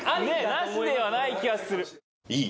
なしではない気はするいい？